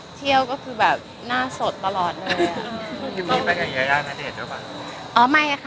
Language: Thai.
ทริปนี้ไปกับคุณย่าย่าไม่ได้เห็นไหม